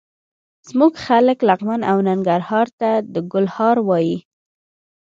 زموږ خلک لغمان او ننګرهار ته د ګل هار وايي.